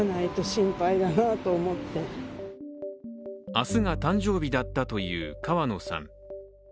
明日が誕生日だったという川野さん。